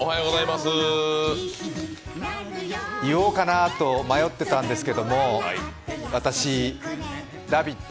言おうかなと迷ってたんですけれども、私、「ラヴィット！」